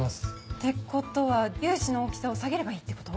ってことは粒子の大きさを下げればいいってこと？